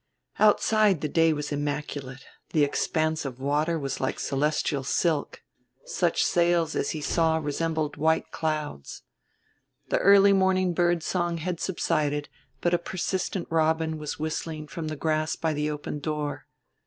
Outside the day was immaculate, the expanse of the water was like celestial silk, such sails as he saw resembled white clouds. The early morning bird song had subsided, but a persistent robin was whistling from the grass by the open door.